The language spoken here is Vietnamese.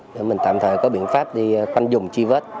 để mình tạm thời có biện pháp đi quanh dùng chi vết